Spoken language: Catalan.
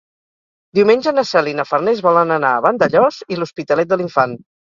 Diumenge na Cel i na Farners volen anar a Vandellòs i l'Hospitalet de l'Infant.